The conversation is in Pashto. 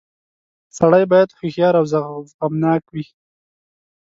• سړی باید هوښیار او زغمناک وي.